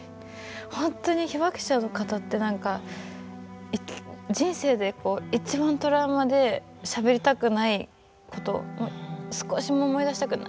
本当に被爆者の方って何か人生で一番トラウマでしゃべりたくないこと少しも思い出したくない